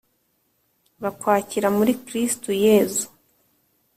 bakwakira muri kristu yezu